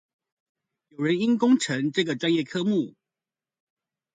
有人因工程這個專業科目